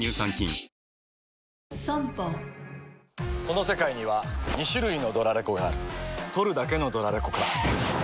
この世界には２種類のドラレコがある録るだけのドラレコか・ガシャン！